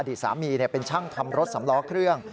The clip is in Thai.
ดีสามีเป็นช่างทำรถสำล้อเครื่อง